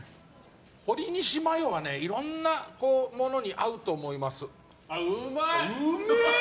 ほりにしマヨはいろんなものに合うと思います。